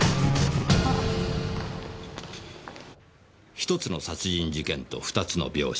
１つの殺人事件と２つの病死。